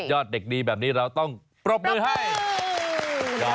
เด็กดีแบบนี้เราต้องปรบมือให้